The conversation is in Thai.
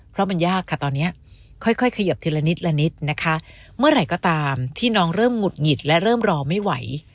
เพราะมันยากค่ะตอนนี้ค่อยค่อยเขยิบทีละนิดละนิดนะคะเมื่อไหร่ก็ตามพี่น้องเริ่มหุดหงิดและเริ่มรอไม่ไหว